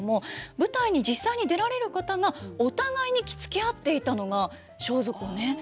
舞台に実際に出られる方がお互いに着付け合っていたのが装束をね。